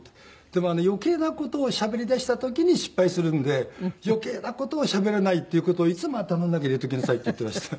でも余計な事をしゃべりだした時に失敗するんで余計な事をしゃべらないっていう事をいつも頭の中に入れときなさい」って言っていました。